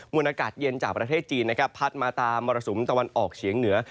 วนอากาศเย็นจากประเทศจีนนะครับพัดมาตามมรสุมตะวันออกเฉียงเหนือ